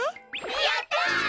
やった！